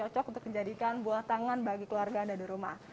cocok untuk dijadikan buah tangan bagi keluarga anda di rumah